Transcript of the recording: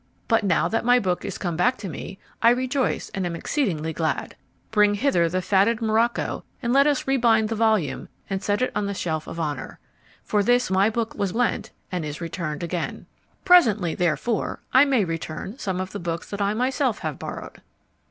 BUT NOW that my book is come back to me, I rejoice and am exceeding glad! Bring hither the fatted morocco and let us rebind the volume and set it on the shelf of honour: for this my book was lent, and is returned again. PRESENTLY, therefore, I may return some of the books that I myself have borrowed.